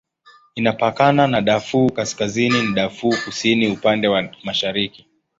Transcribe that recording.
Inapakana na Darfur Kaskazini na Darfur Kusini upande wa mashariki.